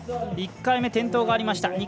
１回目、転倒がありました。